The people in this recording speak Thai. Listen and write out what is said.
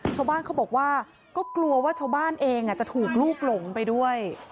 ชาวบ้านเขาบอกว่าก็กลัวว่าชาวบ้านเองจะถูกลูกหลงไปด้วย